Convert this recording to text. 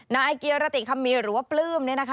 นายเกียรติคำมีหรือว่าปลื้มนี่นะคะ